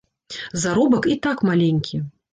Заробак і так маленькі.